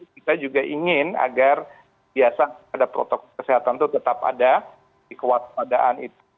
kita juga ingin agar biasa ada protokol kesehatan itu tetap ada di kewaspadaan itu